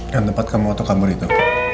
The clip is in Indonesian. yang tempat kamu atau kabur itu